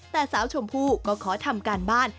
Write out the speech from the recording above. แต่สาวชมพู่ก็ขอทำการบ้าน